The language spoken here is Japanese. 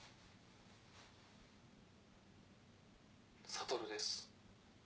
悟です。